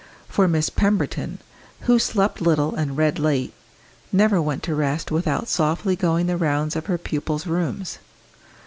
for Miss Pemberton, who slept little and read late, never went to rest without softly going the rounds of her pupils' rooms.